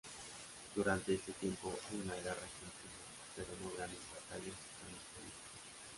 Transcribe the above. Durante este tiempo hay una guerra continua pero no grandes batallas o cambios políticos.